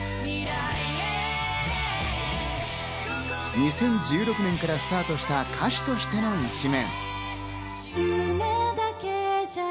２０１６年からスタートした、歌手としての一面。